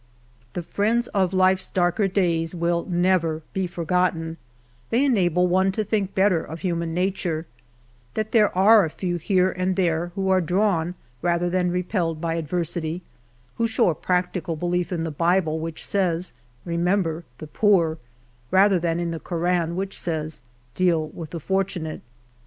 2^ The friends of life's darker dav8 will never he forijotten : they enahle one to think hetter of human nature ; tliat there are a few here and there who are drawn rather than repelled by adversity ; who show a practical belief in the Bible, which says, '' Remember the poor,'' rather than in the Ko ran, which says, " Deal with the fortunate."